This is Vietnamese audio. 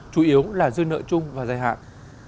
chủ yếu là dư nợ chung và dài hạn